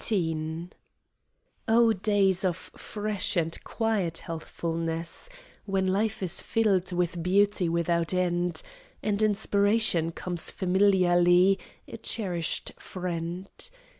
XVIII Oh days of fresh and quiet healthfulness When life is filled with beauty without end, And inspiration comes familiarly, A cherished friend.